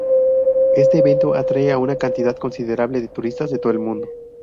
Este evento atrae a una cantidad considerable de turistas de todo el mundo.